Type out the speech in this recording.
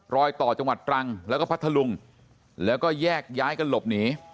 รอยต่อจังหวัดตรังแล้วก็พัทธลุงแล้วก็แยกย้ายกันหลบหนี